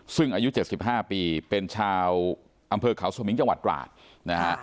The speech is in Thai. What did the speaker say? ซึ่งอายุ๗๕ปีเป็นชาวอำเภอเขาสมิงจังหวัดตราดนะฮะ